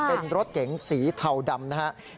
เป็นรถเก๋งสีเทาดำนะครับ